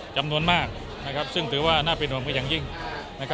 จำนวนมากซึ่งถือว่าน่าปิดล้อมกันแน่ใจ